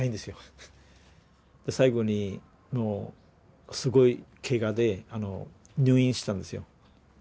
最後にもうすごいケガで入院したんですよ。